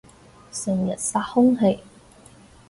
成日殺空氣